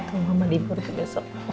betul mama libur ke besok